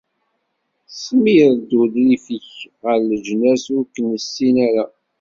Smir-d urrif-ik ɣef leǧnas ur k-nessin ara.